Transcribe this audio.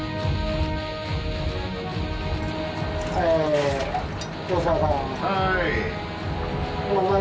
はい。